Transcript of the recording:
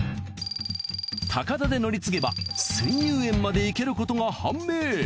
高田で乗り継げば水遊園まで行けることが判明。